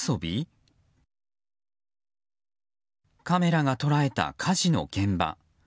カメラが捉えた火事の現場。